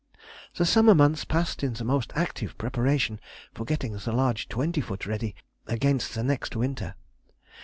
The summer months passed in the most active preparation for getting the large twenty foot ready against the next winter.